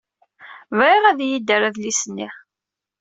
Bɣiɣ ad iyi-d-terr adlis-nni.